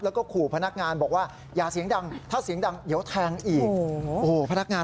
แล้วก็ขู่พนักงานบอกว่า